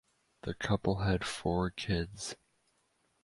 The couple had four kids.